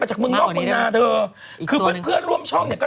ไปจากมึงนอกมึงนาเธอยังพึ่งเพื่อนร่วมช่องเนี้ยก็